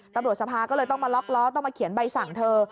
ตำรวจสภาก็เลยต้องมาล็อกล้อต้องมาเขียนใบสั่งเธอ